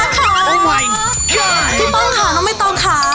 พี่ป้องค่ะน้องใบตองค่ะ